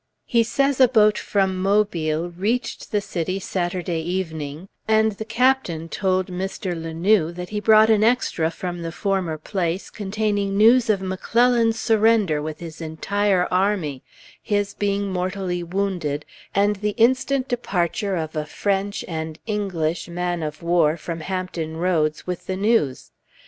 He says a boat from Mobile reached the city Saturday evening, and the captain told Mr. La Noue that he brought an extra from the former place, containing news of McClellan's surrender with his entire army, his being mortally wounded, and the instant departure of a French, and English, man of war, from Hampton Roads, with the news.